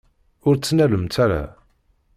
Ur ttnalemt ara.